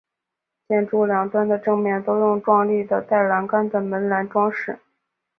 建筑两端的正面都用壮丽的带栏杆的门廊装饰。